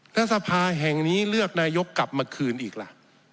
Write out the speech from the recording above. รัฐสภาแห่งนี้เลือกนายกกลับมาคืนอีกล่ะ